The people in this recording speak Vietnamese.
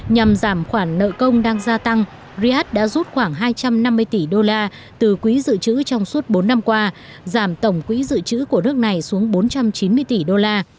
nhằm giảm khoản nợ công đang gia tăng riad đã rút khoảng hai trăm năm mươi tỷ đô la từ quỹ dự trữ trong suốt bốn năm qua giảm tổng quỹ dự trữ của nước này xuống bốn trăm chín mươi tỷ đô la